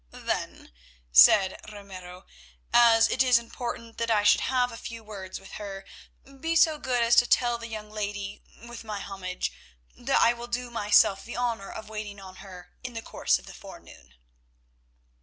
"Then," said Ramiro, "as it is important that I should have a few words with her, be so good as to tell the young lady, with my homage, that I will do myself the honour of waiting on her in the course of the forenoon."